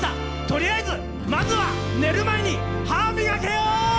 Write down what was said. とりあえず、まずは寝る前に歯、磨けよ！